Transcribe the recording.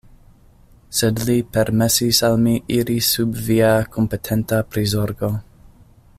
Sed li permesis al mi iri sub via kompetenta prizorgo.